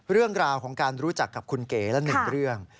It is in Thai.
เรื่องราวของการรู้จักกับคุณเก๋และหนึ่งเรื่อง